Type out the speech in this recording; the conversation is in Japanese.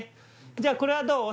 じゃあこれはどう？